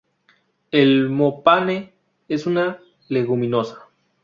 El mopane es una leguminosa.